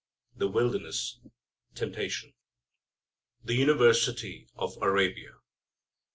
The Wilderness: Temptation The University of Arabia.